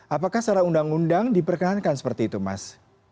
apakah secara undang undang diperkenankan seperti itu mas